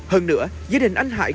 hơn nữa gia đình anh hải